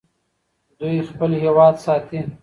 دوی خپل هېواد ساتي.